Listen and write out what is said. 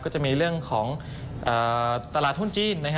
ก็จะมีเรื่องของตลาดหุ้นจีน